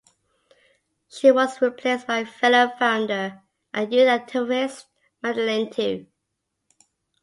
She was replaced by fellow founder and youth activist Madelaine Tew.